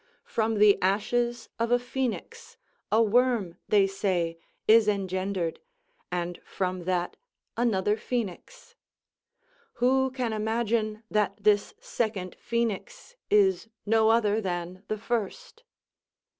From the ashes of a phoenix, a worm, they say, is engendered, and from that another phoenix; who can imagine that this second phoenix is no other than the first?